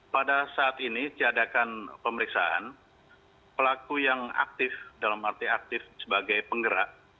pada saat ini diadakan pemeriksaan pelaku yang aktif dalam arti aktif sebagai penggerak